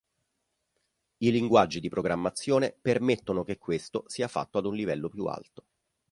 I linguaggi di programmazione permettono che questo sia fatto ad un livello più alto.